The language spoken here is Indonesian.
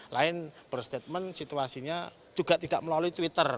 lain berstatement situasinya juga tidak melalui twitter